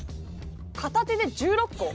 片手で１６個？